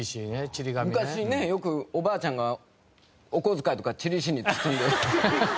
昔ねよくおばあちゃんがお小遣いとかちり紙に包んで。